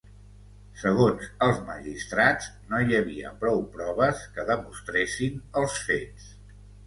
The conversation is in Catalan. Segons els magistrats, no hi havia prou proves que demostressin els fets.